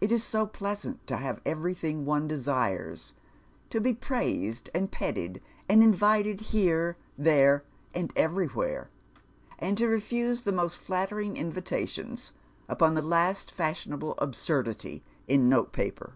I± is so pleasant to have everything one desires, to be praised and petted, and invited h^ra, there, and everywhere, and to refuse the most flattering invitations upon the last fashionable absurdity in noLe paper.